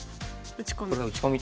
打ち込み。